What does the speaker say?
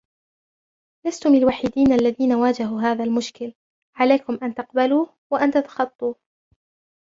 لستم الوحيدين الذين واجهوا هذا المشكل، عليكم أن تقبلوه و أن تتخطوه.